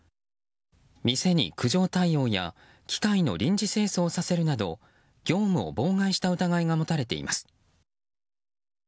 店に、苦情対応や機械の臨時清掃をさせるなど業務を妨害した疑いが持たれています。